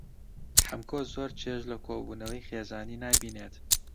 حەمکۆ زۆر چێژ لە کۆبوونەوەی خێزانی نابینێت.